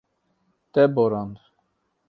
Te borand.